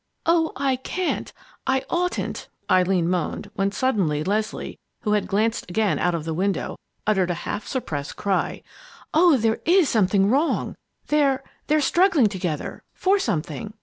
"Oh, I can't I oughtn't," Eileen moaned; when suddenly Leslie, who had glanced again out of the window, uttered a half suppressed cry: "Oh, there is something wrong! They're they're struggling together for something!"